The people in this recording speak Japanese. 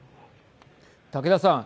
竹田さん。